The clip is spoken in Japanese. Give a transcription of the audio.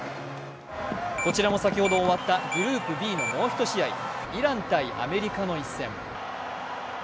こちらも先ほど終わったグループＢのもう１試合、イラン×アメリカの一戦。